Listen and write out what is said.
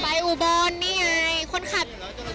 ไปอุบรณ์นี่ไงคนขับ